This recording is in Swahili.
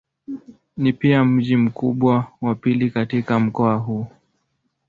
Ni pia mji mkubwa wa pili katika mkoa huu.